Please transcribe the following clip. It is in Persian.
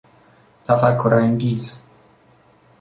تفکر انگیز